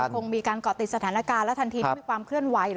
คงมีการเกาะติดสถานการณ์และทันทีที่มีความเคลื่อนไหว